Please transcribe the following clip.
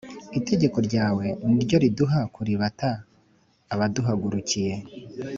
Itegeko ryawe ni ryo rizaduha kuribata abaduhagurukiye